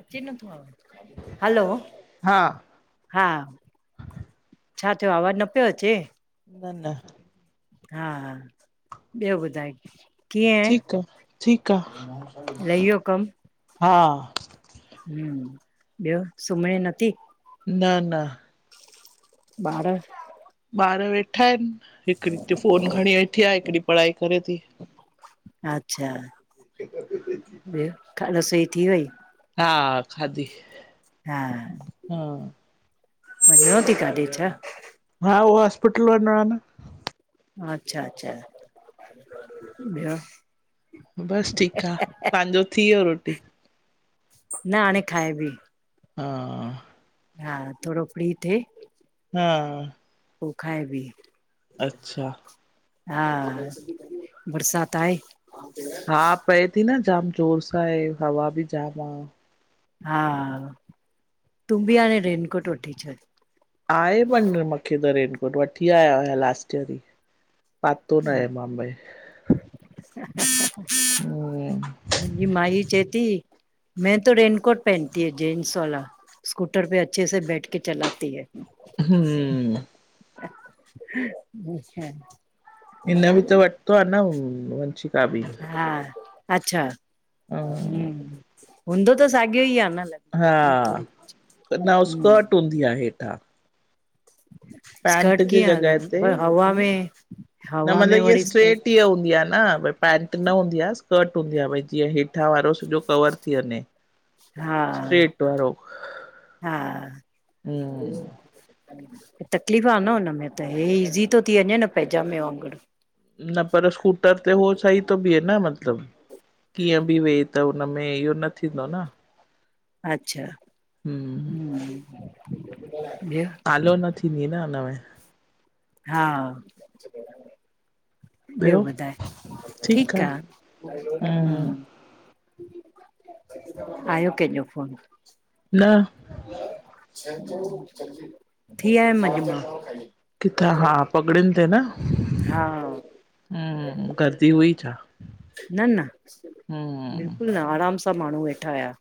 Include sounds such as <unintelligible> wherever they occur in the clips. अचे नथो आवाज़ हैलो हा हा छा थियो? आवाज़ु न पियो अचे? न न हा-हा ॿियो ॿुधाए? कीअं ठीक आ ठीकु आ लही वियो हा हम, ॿियो सुम्हए नथी? न न ॿार ॿार वेठा आहिनि हिकिड़ीे फोन खणी वेठी आहे, हिकिड़ी पढ़ाई करे थी। अच्छा, ॿियो खाना रसोई थी वई? हा, खाधी। हा, हा वञिणो थी काॾै छा? हा, उहो हॉस्पिटल वञणो आहे न। अच्छा-अच्छा ॿियो? बसि ठीकु आ, तव्हांजो थी वियो रोटी? न हाणे खाए बि। हा हा थोडो फ्री थिए। हा पो खाए बि। अच्छा हा बरसात आ आहे। हा पए थी न जाम जोर सां आहे हवा बि जाम आहे। हा तूं बि हाणे रेनकोट वठी छॾ। आहे पर मूंखे त रेनकोट वठी आया हुया लास्ट ईयर ई पातो न अच। आहे मा हम्म मुंहिंजी माई चयीती। में त रेनकोट पहनती है जेंनस वाला स्कूटर पे अच्छे स बैठ के चलाती है- हू अच्छा- हिन बि त वरितो आहे न वंशिका बि हा अच्छा ह हूंदो त साॻियो ई आहे न लॻभॻि हा हिन में थोरी न हम्म स्कट हूंदी आहे हेठां। पेंट स्कर्ट जी कीअं जॻह हलनि ते पर हवा में न हवा में मतिलबु इअ वरी स्कर्ट स्ट्रेट ई हूंदी आहे। न भई पैंट न हूंदी आहे स्कट हूंदी आहे, भई जीअं हेठां वारो सॼो कवर थी वञे। हा स्ट्रेट वारो हा हम्म तकलीफ़ आहे न हुनमें त हे ईज़ी थो थी, वञे न पैजामे वांगुरु न पर सकूटर ते होो सही त बि आहे न मतिलब? कीअं बि वेहे त हुनमें इहो न थींदो न अच्छा हम्म ॿियो? सालो न थींदी न हिनमें हा ॿियो ॿुधाए ठीक आ? हम्म हम आयो कंहिंजो फोन न <inaudible> थी आयम अॼ मां, किथां हा पगड़ियुनि हा गर्मी हुई छा? न-न हम्म बिल्कुल न आराम सां माण्हू वेठा होया।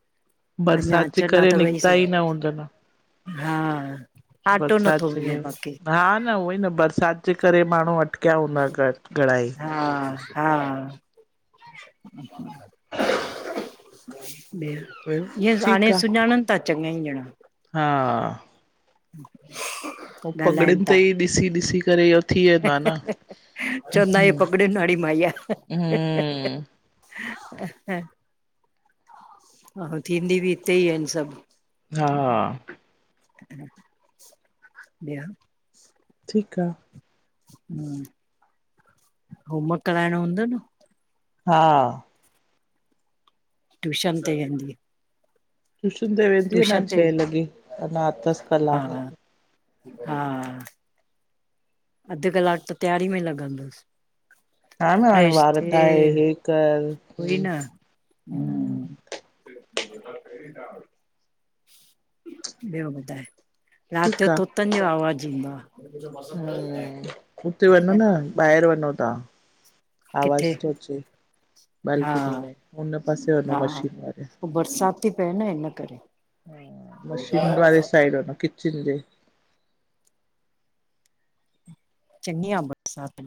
अञा बरसात जे अचन आ करे त वञी निकिता ई सघे न हूंदन। हा आटो बरसात नथो जे मिले करे बाक़ी। हा न उहोई न बरसात जे करे माण्हू अटकिया हूंदा घ घणा ई हा हा इअ ॿियो हाणे ठीकु आ सुञाणन था चङाई ॼणा हा <unintelligible> ऐं पगड़नि ते ई ॾिसी ॾिसी करे थी वेंदो आ न चोंदआ हे हम्म पगड़ियू वारी माई आ हम्म ह थींदी बि हिते ई आहिनि सभ। हा हा या <inaudible> ठीक आ। हम होमवर्क कराइणो हूंदो न हा ट्यूशन ते वेंदी। टूशन ते वेंदी अञा ट्यूशन ते छह लॻे अञा अथस हा कलाक। हा अध कलाक त तयारी में लॻंदुस। हा न हाणे वार ठाए हे कर। ओहि न ॿियो ॿुधाए? रात जो ठीकु आ। तोतन जो आवाज़ ईंदो आ। हम्म, हुते वञो न ॿाहिर वञो था, किथे आवाज़ थो अचे हा बालकनी में उन पासे वनो हा मशीन वारे। पो बरसाति ती पए न इन करे। हा मशीन वारे साइड न किचन जे। चङी आ बरसात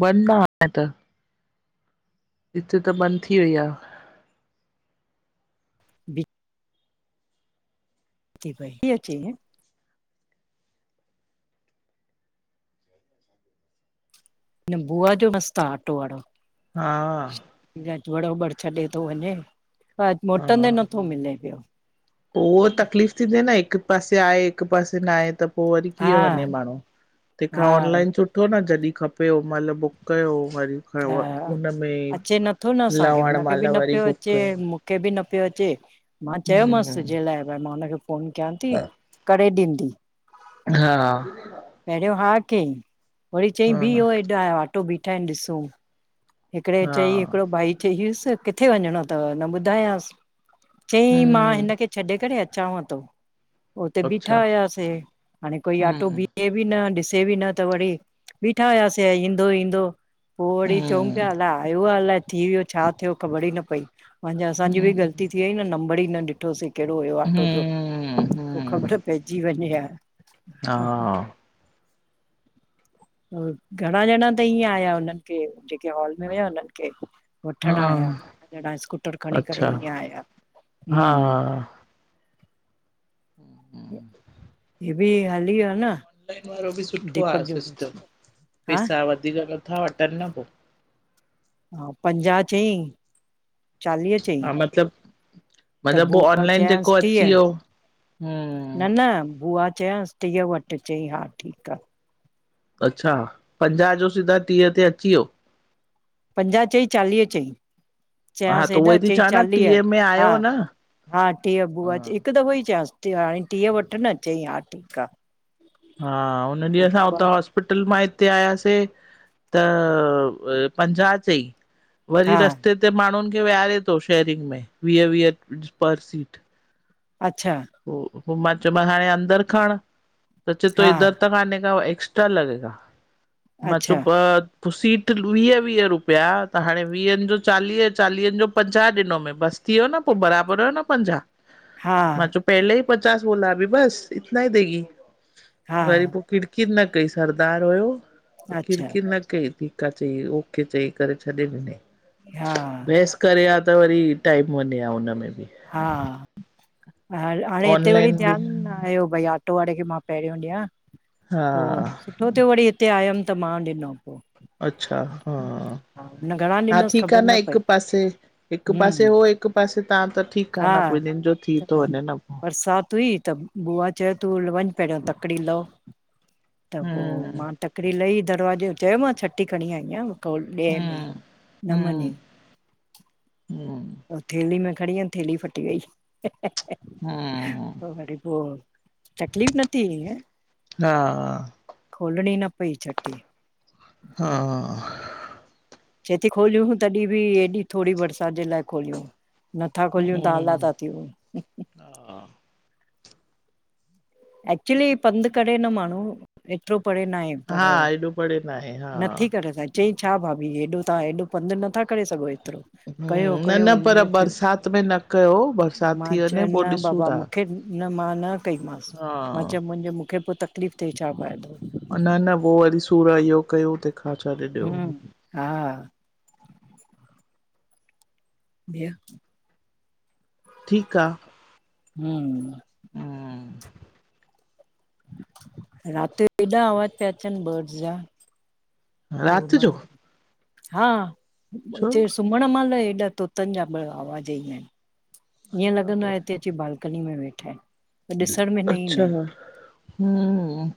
बंद आ हाणे त हिते त बंदि थी वई आ। बि <unintelligible> न बुआ जो मस्त आ ऑटो वारो। हा वड़ोबड़ छॾे थो वञे मोटंदे हा। नथो मिले पियो। उहो तकलीफ़ थींदी न हिक पासे आहे हिक पासे न आहे त। पोइ वरी हा कीअं वञे माण्हू तंहिंखां हा ऑनलाइन छो न जॾहिं खपे होओन महिल बुक कयो वरी, हा उनमें अचे नथो न लावण माल वरी बुक कयो। त बि न पियो अचे मां चयोमांसि तुंहिंजे हम्म लाइ भई मां हुनखे फोन कयां थीं करेे ॾींदी। हा पहिरियों हा कयईं वरी चईं ब हा वह हेॾा ऑटो बीठा आहिनि ॾिसूं हिकिड़े चई हा। हिकिड़ो भाई चईयसि किथे वञिणो अथव न ॿुधायांसि। चयई मां हम्म, हिन खे छॾे करे अचांव थो। हुते बीठा अच्छा, हुयासीं हाणे कोई ऑटो हम्म, बीह बि न ॾिसे बि न त वरी बीठा हुयासीं ईंदो ईंदो पोइ वरी चयो। हम्म, अला <unintelligible> अलाए थी वियो छा थियो ख़बर ईी न पईा असांजी बि हम्म, ग़लती थी वई नंबर ई न ॾिठो। ठोसीं कहिड़ो हुयो ऑटो जो हम्म, पोइ हम्म, ख़बर पइजी वञें या हा घणा ॼणा त ईअं आया हुननि खे जेके हॉल में विया हुननि खे। हा, वठ्ण आया ॼणा स्कूटर खणी करे अच्छा, ईअं आया हू। हा, हम <inaudible> हे बि हली् वियो न ऑनलाइन वारो बि सुठो दीपक आहे जो दोस्त सिस्टम हा पैसा वधीक नथा वठनि न पोइ हा पंजाह चईं चालीह चईं, हा मतलब, त मतलब पो बुआ ऑनलाइन जेको चयाांसि अची टीअ वियो, हम्म न न बुआ चांयासि टीअह वटि चई हा ठीकु आहे। अच्छा पंजाह जो सिधा टीअह ते अची वियो। पंजाह चई चालीह चई हा चयाांसि त हेॾा उहोई थी चई चवां न चालीह टीह में हा आयो न। हा टीअह बुआ हिकु दफ़ो ई चयांसि हाणे टीह वठि न चई हा ठीकु आहे। हा हुन ॾींहुं असां हुतां हॉ हॉस्पिटल मां हिते आयासीं त पंजाहु चई। वरी हा रस्ते ते माण्हुनि खे विहारे थो शेयरिंग में वीह वीह पर सीट अच्छा पोइ पोइ मां चयोमसि हाणे अंदरि खण त चे थो हा इधर तक आन्हे का एक्स्ट्रा - लॻेगा मां चयो अच्छा ॿ त सीट वीह वीह रुपिया त हाणे वीहनि जो चालीह चालीहनि जो पंजाह ॾिनोम बसि। थी वियो न पोइ बराबरि हुयो न पंजाहु हा मां चयो पहले ई पचास बोला अभी बस इता ईी देगी हा वरी पोइ किड़कीर न कई सरदार हुयो अच्छा किड़कीर न ओई ठीक आहे चई ओके चई करे छॾे ॾिनई हा बेहस करे आ त वरी टाइम वञे ह हुन में बि हा ह हाणे हिते वरी ऑनलाइन बि ध्यानु न आयो भई आटो वारे खे मां पहिरियों ॾियां हा हो सुठो् थियो वरी हिते आयमि त मां ॾिनमि। अच्छा हा न घणा हा ॾिनसि ठीकु ख़बर आहे न पई हिकु पासे, हिकु पासे हम्म हो हिकु पासे ता त। ठीकु आ हा न ॿिन्हिनि जो थी त थो वञे न पो बरसाति हुई त। बुआ चयो तूं वञ पहिरियों तकड़ी लहो त पोइ हम्म मां तक हिकड़ी लई दरवाजे, चयो मां छठी खणी आईं आहियां मुखे ॾियें ॾंए में, हम्म न हम्म मञे। हम्म थेली में खणी वियो, थेली फटी वयी, हम्म पो वरी पो तकलीफ़ न थी इयं, हा खोलणी न पई छट्री हा। चये ती खोलियूं तॾहिं बि एॾी, थोङी बरसात जे लाए खोलियूं। नथा खोलियूं त आला हम्म था थियूं। हा एक्चुली पंधु करे न माण्हू एतिरो परे न आहे। पर हा हेॾो परे न आहे हा नथी करे सघ चईं -छा भाभी हेॾो तां हेॾो पंधु नथा करे सघो एतिरो? कयो हम्म न कयो न पर हीअं थियो, बरसात में न कयो बरसात मां थी वञे चयो पो न ॾिसूं बाबा था मूंखे न मां न कई मांसि। मां हा चयो मुंहिंजो मूंखे पो तकलीफ़ थिए छा फायदो। न न पो वरी सूर इहो कयो ते। हम्म, हा। ॿियो? ठीक आ। हम्म। हम्म। रात जो हेॾा आवाज पया अचनि बर्डंस जा। राति जो हा छो सुम्हण मइल एॾा तोतन जा आवाज ईंदा आहिन, ईअं अरे बाप लॻंदो आ रे हिते अची बालकनी में वेठा आहिन त ॾिसण में न ईंदा अच्छा आहिन। हम्म,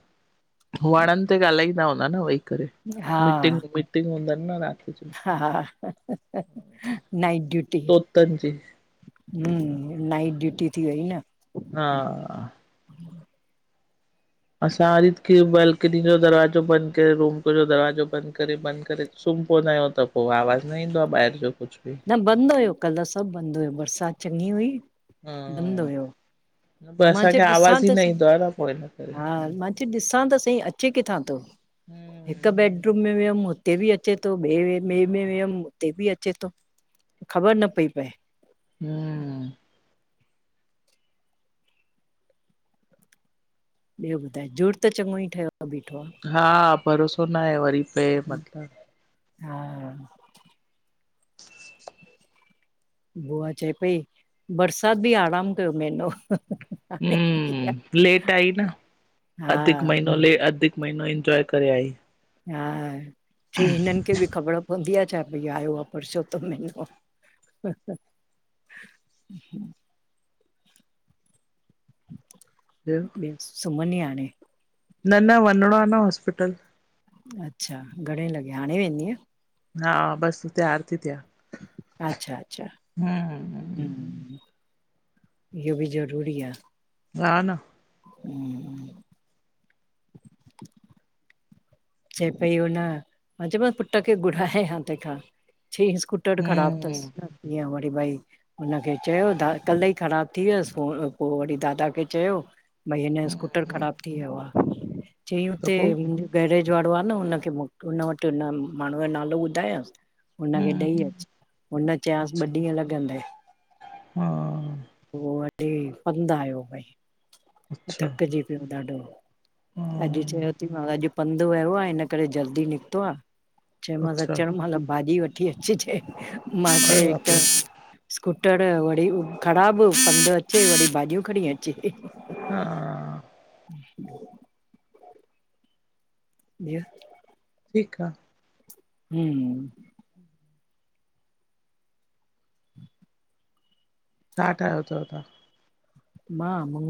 वणन ते ॻाल्हाईंदा हूंदा न वेही करे। मीटिंग हा मीटिंग हूंदन न रात जो। हा, नाइट ड्यूटी। तोतनि जी हम्म, नाइट ड्यूटी थी वई न। हा। असां हरीत की बालकनी जो दरवाजो बंद करे, रूम जो दरवाजो बंद करे, बंद करे सुम पवंदा आयूं त पो आवाज़ न ईंदो आ ॿाएर जो कुछ बि। न बंद हुयो कल्ल सब बंद हुयो, बरसाति चङी हुई, बंद हम्म हुयो। पो पर मां चयो असांखे ॾिसां आवाज़ ई त न सही, ईंदो आ न पो हिन करे हा मां चयो ॾिसां त सही अचे किथां थो? हिक हम्म बेडरुम में वियमि हुते बि अचे थो, बे ॿिए में वियम हुते बि अचे थो। ख़बर न पई पए। हम <unintelligible> ॿियो ॿुधाए, जुङ त चङो ई ठहियो बीठो आ। हा भरोसो न आहे, वरी पए मथां। हा। <inaudible> बुआ चए पई बरसात बि आराम कयो महीनो। हम्म, हा लेट आई न अधिक महीनो ले अधीक हिकु महीनो इंजॉय करे आईं। हा चंयी हिनन खे बि ख़बर प पवंदी आ छा भई आयो आ पुरुशोत्तम महिनो हम <inaudible> ॿियो सुमनी हाणे? न न, वञिणो आ न हॉस्पिटल। अच्छा घणे लॻे हाणे वेंदीअ? हा बस तयार ती थे। अच्छा अच्छा हम, इहो बि ज़रूरी आ। न न हम चए पई उन मां चय मास पुट खे घुराए आ तेखा। स्कूटर ख़राब थस हम्म न जीअं वरी भई हुनखे चयो दा कल ही ख़राबु थी वियस पो पो वरी दादा खे चयो। भई हिनजो स्कूटर हम्म ख़राब थी वियो आ चई त हुतेे पोइ वारो आ न हुनखे हुन वटि माण्हू जो नालो ॿुधाया हुनखे हम्म ॾेई अच हुन चयास ॿ अच्छा ॾींहं लॻंडे। हा पो वरीे पंधि आहियो भई। अच्छा थकजी पियो ॾाढो हा अॼ चयो थी मांव अॼ पंध वियो आ इन करे जल्दी निकतो आ चयोमास अच्छा अचन मल भाॼी वठ अच जे मथ अरे हिकु बाप त रे स्कूटर वरी ख़राब पंध अचे वरी भाॼियूं खणी अचे। हा <inaudible> जीअ ठीक आ। हम्म छा ठाहियो थव तव्हां? मां मुङ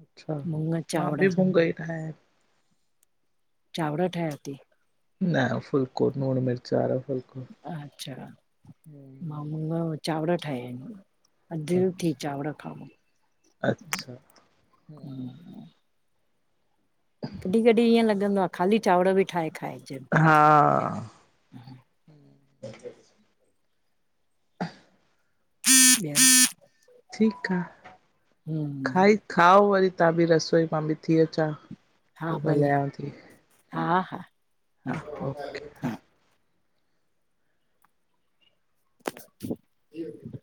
अच्छा मुङ मां चांवर बि मूंगई ठाया इन चांवर ठाहिया थी। न फुलको लूण मिर्च वारो फुलको अच्छा मां मुङ चांवर ठाहिया आहिन। अध थी अच्छा चांवर खाओ अच्छा हम्म, कॾी कॾी इअं लॻंदो आ। ख़ाली चांवर बि ठाहे खाइ हा <inaudible> <inaudible> ठीक आ, हम्म खाई खाओ वरी तव्हां बि रसोई मां बि थी अचां। हा पोइ भले ॻाल्हायांव थी हा-हा हा ओके हा जी